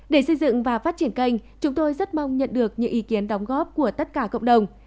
để xây dựng và phát triển kênh chúng tôi rất mong nhận được những ý kiến đóng góp của tất cả cộng đồng